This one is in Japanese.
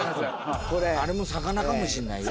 これあれも魚かもしんないよ